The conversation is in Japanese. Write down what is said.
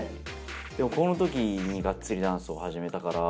でもこのときにがっつりダンスを始めたから。